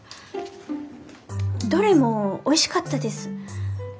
どれもおいしかったです。